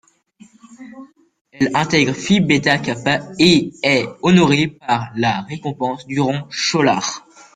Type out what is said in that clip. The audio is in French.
Elle intègre Phi Beta Kappa et est honorée par la récompense Durant Scholar.